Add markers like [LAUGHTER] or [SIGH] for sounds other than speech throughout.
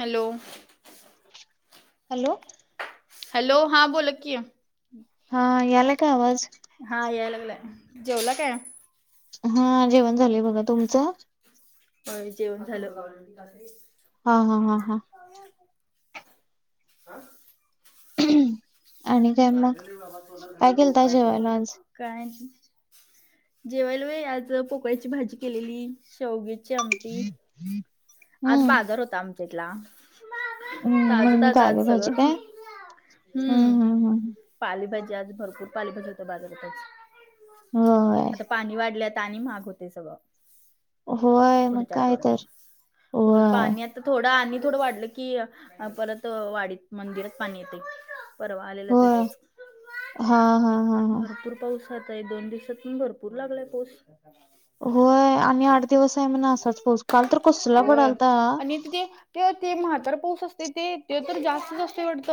Hello! Hello! Hello! हां बोला कि. हा यालाय का आवाज? हा याय लागलाय जेवला काय? हा जेवण झालंय बघा तुमचं? म जेवण झालं. हा हा हा हा. [INAUDIBLE] आणि काय मग काय केलं त जेवायला आज? काय जेवायला वय आज पोकळ्याची भाजी केलेली शेवगी आमटी. [INAUDIBLE] आज हम्म बाजार होता आमच्या इतला. हम्म ताजं म्हणून ताज आज सगळं पालेभाजी काय हम्म. हम्म हम्म हम्म पालीभाज्या आज भरपूर पालेभाज्या होत्या बाजारात होय आज. पाणी वाढल्यात आणि महाग होते सगळं. होय मग पुढच्या काय तर आठवड्यात होय पाणी आ थोडं आणि थोडं वाढलं की परत वाढत मंदिरात पाणी येते परवा आले होय हा हा हा हा. भरपूर पाऊस आताय दोन दिवसात पण भरपूर लागलाय पाऊस. होय आणि आठ दिवस आहे म्हण असाच पाऊस काल तर कसला होय पडायलता. आणि तिथे ते ते म्हातार पाऊस असते ते ते तर जास्तच असतय वाटत.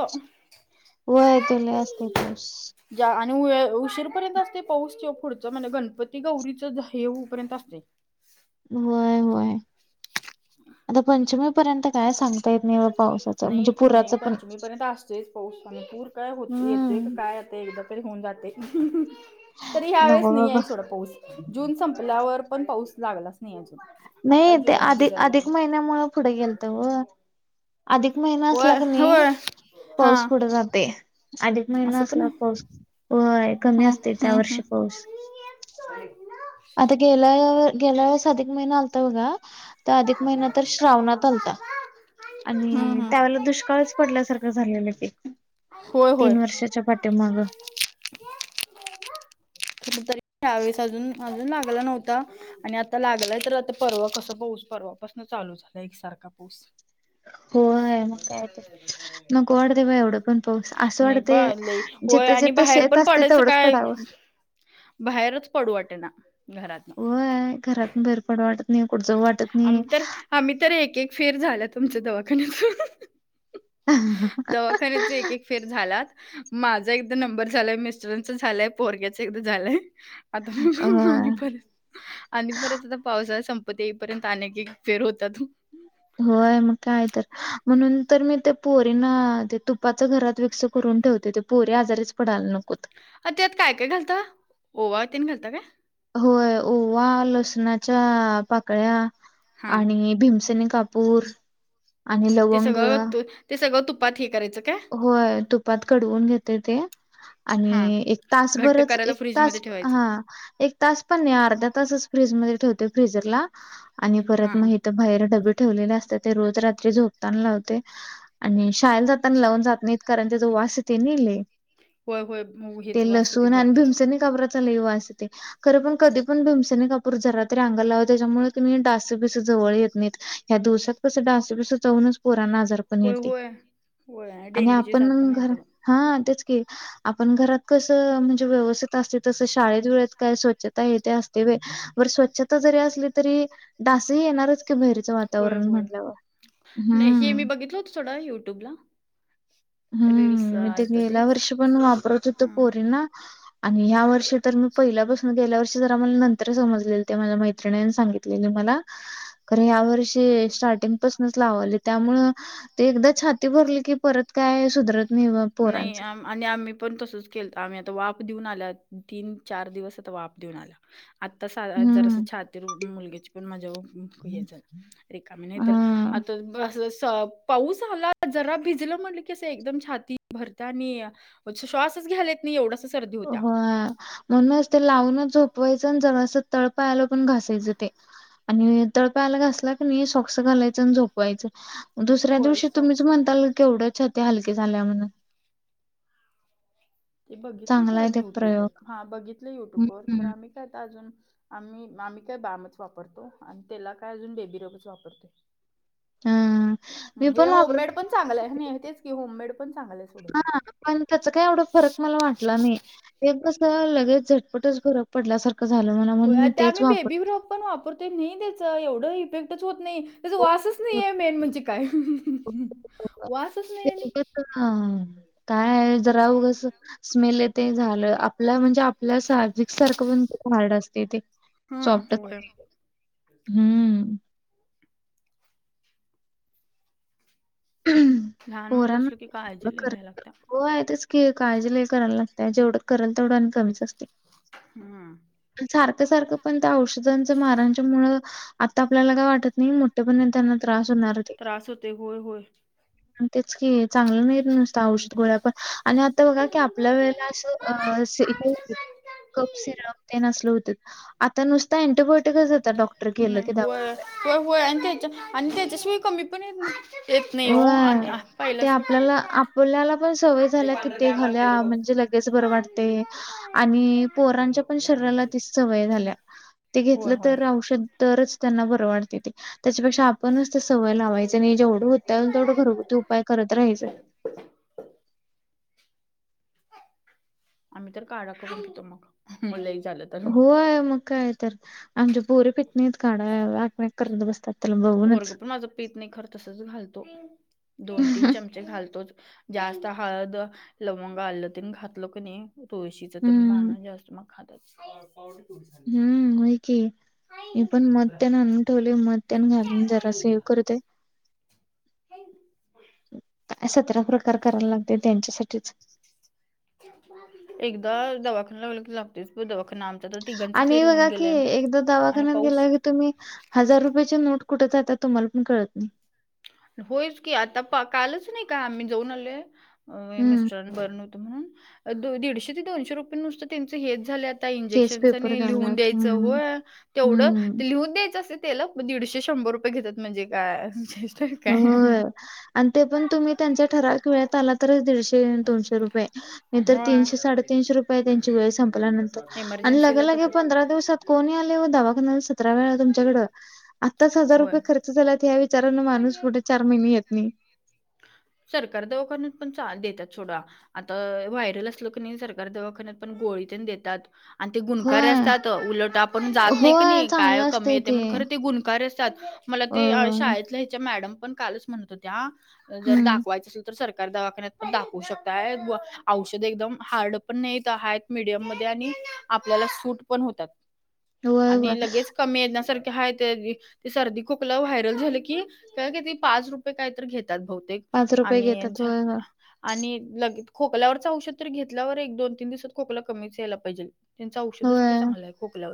होय तो लय असतय पाऊस. ज्या आणि उशीरपर्यंत असते पाऊस पुढच म्हणजे गणपती गौरीच हे होऊपर्यंत असतय. होय होय आता पंचमी पर्यंत काय सांग नाही नाही पंचमी पर्यंत असतोयच पाऊस पण पूर काय होत येतय का हम्म काय आता एकदा होउन जातय तरी यावेळेस नको नाही बाबा एवढा सोड पाऊस जुन संप ल्यावर पण पाऊस लागलाच नाही अजून. आता नाही ते जुलैमध्ये अधिक जरा अधिक लागला महिन्यामुळ पुढ गेलत व. अधिक महिना असला होय की नाही होय पाऊस हा पुढं जातंय. अधिक महिना असं पण असला आहे. पाऊस कमी असते त्या वर्षी पाऊस. ना. आता गेल्या - गेल्या वेळेस अधिक महिना आलत बघा. तर अधिक महिना तर श्रावणात चालता. हम्म आणि हम्म. त्यावेळेला दुष्काळच पडल्यासारखं झालेलं पिकं. होय होय तीन वर्षाच्या पाठीमाग. [INAUDIBLE] कुठं तरी त्यावेेळेस अजून - अजून लागला नव्हता. आणि आता लागलाय तर आता परवा कसं पाऊस परवापासनं चालू झाला एकसारखा पाऊस. होय मग काय तर नको वाटते बा एवढं पण पाऊस असं नाही वाटते बा लई. होय जिथं आणि जिथं बाहेर शेत पण असते पडायचं तेवढंच काय पडावं बाहेरच पडू वाटे ना घरात. होय घरातून बाहेर पडू वाटतं नाही कुठं जाऊ वाटतं नाही. आम्ही तर आम्ही तर एक एक फेर झाला तुमच्या दवाखान्यात. दवाखान्याच एक- होय एक फेर झालात माझा एकदा नंबर झालाय मिस्टरांचा झालंय पोरग्याच एकदा झालंय. आता आणि परत आणि परत आता पावसाळा संप - प तेईपर्यंत आणने फेर होतात. हम्म, होय मग काय तर म्हणून तर मी ते पोरींना ते तुपाच घरात विक्स करून ठेवते ते. पोरी आजारचं पडाला नकोत. अ त्यात काय काय घालता ओवा तन घालता का? होय ओवा लसुणाच्या पाकळ्या हां. आणि भिमसेनी काप. कापुर. ते सगळं त ते सगळं तुपात हे करायचं काय? होय तुपात कडवून घेते ते. हां. आणि एक घट्ट तासभरच करायला एक फ्रिजमध्ये तास ठेवायचं. हा. एक तास पण नाही अर्ध्या तासच फ्रीज मध्ये ठेवते फ्रीजरला आणि परत हां, हां. मग बाहेर डबे. ठेवले असते ते रोज रात्री झोपताना लावते आणि शाळेला जातं. पण लावून जात नाहीत कारण त्या तो वास ते नेले. होय, होय. मग ते हेच वास येते लसूण आणि भरपूर. भिमसेनी कापराचा लय वास येतोयं. खरं पण कधी पण भीमसेनी कापूर जरा त अंगाला रांगाला लावत त्याच्यामुळे तुम्ही डास बिसे जवळ येत नाहीत. ह्या दिवसात कसं डासस बिस चावून पोराना आजार. पण होय- येते होय -होय आणि डेंग्यूची साथ पण आहेेत. हा तेच की. आपण घरात कसं म्हणजे व्यवस्थित असते तसं शाळेत वेळेत काय स्वच्छता हे ते असते व. बरं स्वच्छता जरी असली तरी डासही येणारचं. बारीचं होय, वातावरण म्हणलंवर हम्म. बगित हो ोडा युट्यूब ला [INAUDIBLE] हम्म, मी ते गेल्या वर्ष पण वापरत होत हां. पोरी ना. आणि ह्या वर्षी तर मी पहिल्यापासून गेल्या वर्षी जर आम्हाला नंतर समजलेल ते मला मैत्रिणीं सांगितलं. मला खर या वर्षी स्टार्टिंग पासूनच लावले त्यामुळं. ते एकदा छाती भरली की परत काय सुधरत नाही बा. नाही आम. आणि आम्ही पण तसचं केलत आम्ही आता वाफ देऊन आल्यात तीन चार दिवस आता वाफ देऊन आल्यात. आत्ता हम्म. जरासं छाती मुलग्याची, पण माझ्या हेच आहे, रिकामीे नाही तर हां. आता असं, पाऊस आला, जरा भिजलं म्हटलं की असं एकदम छाती भरतीया आणि श्वासच घ्याला येत ना मी एवढासा सर्दी होत्या होय, म्हणूनच ते लावूनच झोपवायचं जरा असं तळपायाला पण घासायचं ते. आणि तळपायाला घासला की नाही, सॉक्स घालायचं आणि झोपवायचं. दुसऱ्या होय दिवशी तुम्हीच सॉक्स म्हणताल, केवढ्यात छाती हलकी झालीया म्हणून. ते बघितले, चांगला सोडा. आहे मी ते युट्युब प्रयोग. वर हं, बघितले. युट्युबर खरं हम्म. आम्ही काय आता अजून आम्ही-आम्ही काय बामच वापरतो आणि त्याला काय अजून बेबी रबचं वापरतो. हा. हे होममेड पण चांगलं आहे, तेच की होममेड पण चांगलं आहे. सोडून हा, पण त्याचा काय एवढा फरक मला वाटला नाही. हे कसं लगेच झटपटच गरम पडल्यासारखं झालं मला, म्हणून मी तेच वापर मी पण वापरतोय नाही, त्याच एवढं इफेक्टच होत नाही. तेच, वासच नाही आहे मेन म्हणजे काय, वासच नाही आणि काय-काय, जरा ऊगचं स्मेल येतंय झालं आपलं, म्हणजे आप आपलं साजिक सारखं पण हार्ड असतं ते, सॉफ्ट हम्म होय हम्म. लहान मुलं पोरांना असलं की म्ह, काळजी लई कर घ्यायला लागत्या होय तेच कि की, काळजी लई कराय लागतिया. जेवढं करंल, तेवढं आणि कमीच असतंय. हम्म. सारखं-सारखं पण त्या औषधांच्या मारांच्या मुळ आता आपल्याला काय वाटत नाही, मोठं मोठेपणी त्यांना त्रास होणारच आहे त्रास होते होय होय हा, तेच कि चांगलं नाही नुस औषध गोळ्या पण आणि आता बघा की आपल्या वेळेला असं कप सिरप तेन असलं होतं, आता नुसतं अँटीबायोटिकच देतात. डॉक्टर गेलं की दवाखा होय-होय, आणि त्याच्या आणि त्याच्याशिवाय कमी पण येत ना होय, ते आपल्याला-आपल्याला पण सवय झालीया की ते घालूया, म्हणजे लगे‍ तेच बरं वाटतंय आणि पोरांच्या पण शरीराला ती सवय झालीया. ते होय घेतलं होय तर औषध, तरच त्यांना बरं वाटतंय. ते त्याच्यापेक्षा आ म्हणूनच ते सवय लावायचं नाही. जेवढं होतंय, तेवढं घरगुती उपाय करत राहायचं. आम्ही तर काढा करून पितोय मग म लई चाललं. होय मग काय तर आमच्या पोरी पित नाहीत काढा. [INAUDIBLE] करीत बसत्यात, त्याला बघूनच. पोरगं पण माझं पीत नाहीत खरं, तसचं घालतो. दोन-तीन चमचे घालतोच. जास्त हळद, लवंग, आलं तेण घातलं क नाही तुळशीच तेन हम्म, नाना जास्त मग खातात. हम्म्, होय की! मी पण मध तेण आणून ठेवलंय. मध तेण घालून जरासं एक करते. सतरा प्रकार करायला लागतंय. त्यांच्यासाठीच एकदा दवाखाना लागला की, लागतेस बघ दवाखाना तर तिघांचं फेर आणि होऊन बघा की, गेलंय एकदा आणि दवाखान्यात पाऊस गेला की तुम्ही हजार रुपयाचे नोट कुठं जातीया, तुम्हाला पण कळत नाही. होयच की, आता कालच नाही का आम्ही जाऊन आलो हम्म, मिस्टरासणी बरं नव्हतं म्हणून दीडशे ते दोनशे रुपये नुसत त्यांच हेच झाल्यात. केस इंजेक्शनच पेपर आणि लिहून झालात. द्यायचं हम्म, होय तेवढं हम्म. लिहून द्यायचं असतय दीडशे शंभर रुपये घेतात म्हणजे काय होय काय आणि ते पण तुम्ही त्यांच्या ठराविक वेळेत आलात तरच दीडशे दोनशे रुपये नाहीतर होय तीनशे साडेतीनशे रुपये आहे त्यांची वेळ संपल्यानंतर आणि लगे इमर्जन्सीला लगे तसंच पंधरा दिवसात कोण यालय ओ दवाखाण्याला सतरा वेळा तुमच्याकडं आत्ताच हजार होय रुपये खर्च झाल्यात ह्या विचारान माणूस पुढे चार महिने येत नाही सरकार दवाखान्यात पण देत्यात सोडा आता व्हायरल असलं कणी सरकारी दवाखान्यात पण गोळी तेण देतात आणि ते गुणकारी होय. असतात उलट आपण जात नाही होय कणी काय चांगलं कमी असतंय येतय म्हणून खरं ते गुणकारी असतात मला ते होय, होय. शाळेतल्या ह्याच्या मॅडम पण कालच म्हणत होत्या जर हं. दाखवायचं तर सरकारी दवाखान्यात पण दाखवू शकताय औषध एकदम हार्ड पण नाहीे मिडियम मध्ये आणि आपल्याला सूट पण होतात [INAUDIBLE] आणि होय. लगेच कमी येण्यासारखे हायत ते सर्दी खोकला व्हायरल झालं की काय की ते पाच रुपये काय तर घेतात बहुतेक आणि घेतात. होय, होय. आणि लगे खोकल्यावरच औषध तर घेतल्यावर एक दोन तीन दिवसात खोकला कमीच यायला पाहिजेल चुडस्ती होय. चांगली आहे खोकल्यावर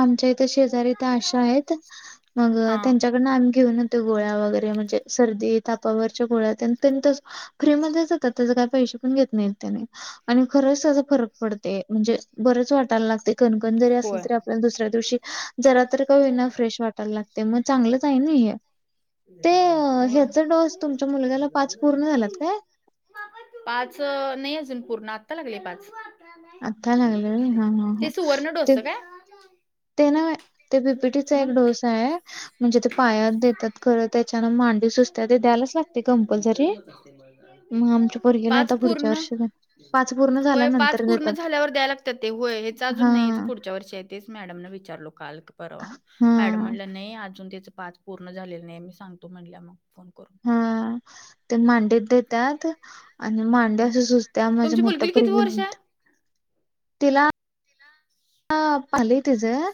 आमच्या इथं शेजारी इथ आशा आहेत मग हा त्यांच्याकडनं आम्ही घेऊन गोळ्या वगैरे म्हणजे सर्दी तापावरच्या गोळ्यातेन त्यांनी तसं फ्री मध्येच देतात त्याच पैसे पण घेत नाहीत त्यांनी आणि खरंच त्याचा फरक पडतय म्हणजे बरच वाट टायला लागतय कणकणी जरी असली होय. तरी आपल्याला दुसऱ्या दिवशी जरा तर कावीना फ्रेश वाटायला लागते म चांगलंच आहे नई हे ते अ, होय ह्याचा डोस तुमच्या मुलग्याला पाच पूर्ण झालात काय पाच नाही अजून पूर्ण आत्ता लागलय पाच आत्ता लागले होय हा हा हा ते सुवर्ण ते डोसच काय ते नव्हे ते पीपीटीचा एक मग डोसा आहे म्हणजे ते पायात देतात खरं त्याच्यान मांडी सुजत्या ते द्यायलाच लागते कंपल्सरी मग आमच्या पोरगीला पाच आता पुढच्या पूर्ण वर्षी देणार. पाच पूर्ण होय पाच झाल्यानंतर पूर्ण देतात. झाल्यावर द्यायला लागतंय ते होय हेच अजून नाही पुढ हां, पुढच्यावर्षी आहे तेच मॅडमना विचारलं काल का परवा मॅडम हां, म्हटल्या नई अजून त्याच पाच पूर्ण झालेल नाही मी सांगतो म्हणल्या मग फोन करून ह ते मांडीत देत्यात आणि मांड्या सुजत्या माझ्या तुमची मोठ्या मुलगी किती पोरगीला वर्ष आहे दिलत तिला आलय तिचं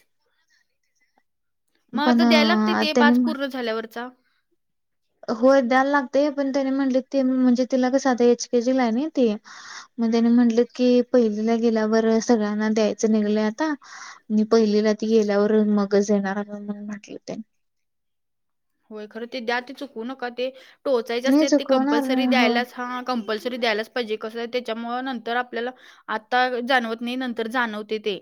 मग पण आता द्यायला लागतंय ते त्यानी पाच पूर्ण झाल्यावरचा होय द्यायला लागतंय पण त्यानी म्हंटलीत ती म्हणजे तिला कस आता एच केजी ला आहे नई ती मग हम्म त्यानी म्हटलीत की पहिलीला गेल्यावर सगळ्यांना द्यायचं निघलंय आता आणि पहिलेला ती गेल्यावर मगच देणार म्हणून म्हटलीत त्यांनी होय खरं ते द्या ते चुकवू नका ते टोचायचे नाही असते ते चुकवणार नाही कंपल्सरी हो. द्यायलाच हा कंपल्सरी द्यायलाच पाहिजे कसं आहे त्याच्यामुळं नंतर आपल्याला आता जाणवत नाही नंतर जाणवते ते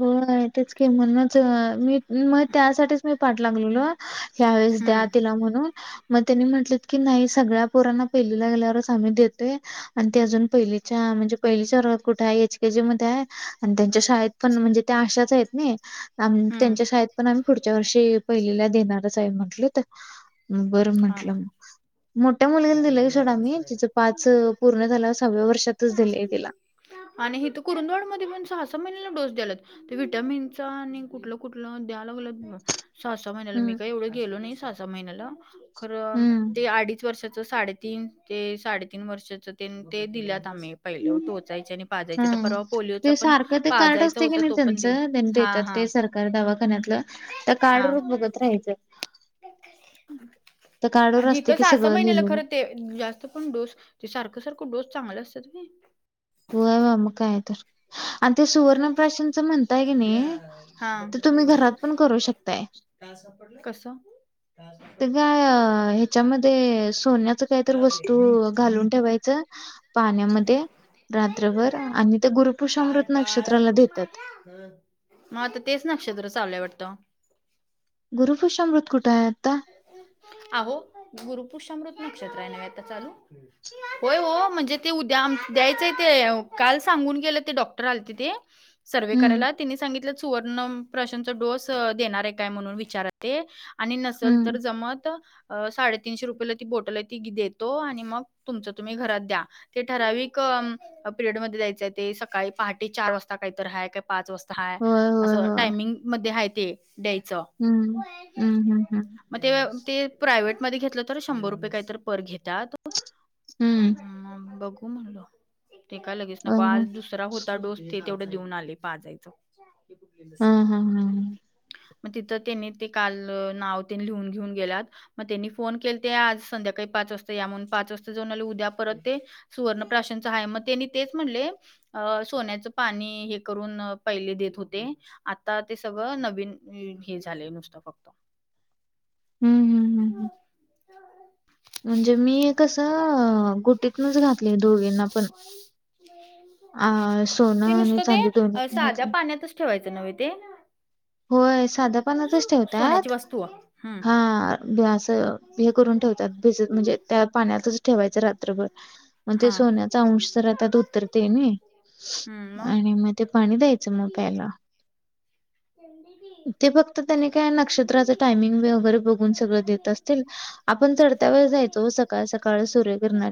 होय तेच की म्हणूनच मी मग त्यासाठीच मी पाठ लागलेलो ह्यावेेळेस द्या हम्म तिला म्हणून म त्यांनी म्हटलीत की नाही सगळ्या पोरांना पहिलीला गेल्यावरच आम्ही देतोय आणि ती अजून पहिलीच्या म्हणजे पहिलीच्या वर्गात कुठे आहे. एच केे जी मध्ये आहे. आणि त्यांच्या शाळेत पण म्हणजे त्या आशाच आहेत. नाही हम्म त्यांच्या शाळेत पण आम्ही पुढच्या वर्षी पहिलेला देणारच आहे म्हंटलं तर बरं हां म्हंटलं हां मग मोठ्या मुलगीला दिलंय सोडा मी जिचं पाच पूर्ण झाला. सहाव्या वर्षातच दिलंय तिला आणि हे तर कुरुंदवाड मध्ये पण सहा सहा महिन्याला डोस द्याला ते विटामिन चा आणि कुठलं कुठलं द्या लागल. सहा सव महिन्याला मी हम्म का एवढं गेलो नाही. सहा सहा महिन्याला खरं ते अडीच वर्षात साडेतीन ते साडेतीन वर्षाच ते दिल्यात. आम्ही पहिले हम्म टोचायचे आणि पाजायचे तर हम्म. परवा पोलिओचा ते पण सारखं ते कार्ड पाजायचा होता. तो पण दिला हा हा कार्ड दवाखान्यातलं तर कार्डवर बघत राहायचं. त्या कार्डवर आणि इथ असते की सहा सहा सगळं महिन्याला लिहिलेलं खर ते जास्त पण डोस ते सारखं सारखं डोस चांगला असतात. काय हो मग काय तर आणि ते सुवर्णप्राशनच म्हणताय की नाही. ते तुम्ही घरात पण करू शकताय- काय सापड कसं तर काय ह्याच्यामध्ये सोन्याच काहीतर वस्तू घालून ठेवायचं. पाण्यामध्ये रात्रभर आणि ते गुरुपुष्यामृत नक्षत्राला देतात. हम् मग आता तेच नक्षत्र चाललंय वाटतं. गुरुपुष्यामृत कुठे आहे आता? अहो गुरुपुषामृत नक्षत्र आहे. ना आता चालू होय हो म्हणजे ते उद्या द्यायचंय! ते काल सांगून गेलं. ते डॉक्टर आलते ते सर्व हम्म करायला तिने सांगितलं. सुवर्णप्राशनचा डोस देणार काय आहे. काय म्हणून विचार आणि न हम्म तर जमत साडेतीनशेला रुपयेला ती बोटल आहे. ती देतो आणि मग तुमचं तुम्ही घरात द्या. ते ठराविक पिरियडमध्ये जायचंय. ते सकाळी पहाटे चार वाजता काहीत हया का पाच वाजता हाय होय होय असं होय टायमिंग मध्ये आहे. ते द्यायचं हम्म हम् हम्म हम्म, मग ते ते प्रायव्हेट मध्ये घेतलं तर शंभर रुपये काहीत पर घेतात. हम्म अम बघू म्हणल ते काय लगेच. अ, नको आज दुसरा होत. डोस ते तेवढं देऊन आले पाजायच. हां, हां, हां. मग तिथं त्यानी ते काल नाव ते लिहून घेऊन गेलात. मग त्यांनी फोन केले. ते आज संध्याकाळी पाच वाजता या म्हणून पाच वाजता जाऊन आले. उद्या परत ते सुवर्णप्राशांचा आहे. मग त्यांनी तेच म्हणले! अ सोन्याचं पाणी हे करून पहिले देत होते. आता ते सगळं नवीन हे झालेय नुसतं फक्त हम् हम आई झोप चल म्हणजे मी कसं गुटीतनच घातले. दोघींना पण अ, ते सोनं आणि नुसतं ते चांदी दोन्ही पण साध्या घातली. पाण्यातच ठेवायचं नव्हते. होय साध्या पाण्यातच ठेवतात. सोन्याची वस्तू हम्म हा असं हे करून ठेवतात. भिजत म्हणजे त्या पाण्यातच ठेवायचं. रात्रभर मग ते हा सोन्याचा अंश जरा त्यात उतरते ना! आणि मग ते पाणी द्यायचं. मग प्यायला [UNINTELLIGIBLE] ते फक्त त्याने काय नक्षत्राचं टायमिंग वगैरे बघून सगळं देत असतील. आपण चढत्या वेळे जायचो हो सकाळ सकाळ सूर्यगिरणार